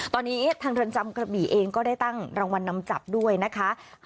ตอนนี้ทางเรือนจำกระบี่เองก็ได้ตั้งรางวัลนำจับด้วยนะคะ